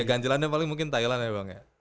ganjilannya paling mungkin thailand ya bang ya